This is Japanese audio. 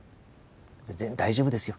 全然大丈夫ですよ。